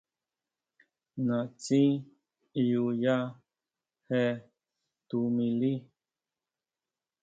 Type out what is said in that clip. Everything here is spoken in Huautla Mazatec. Naʼtsi ʼyu ya je tuʼmili.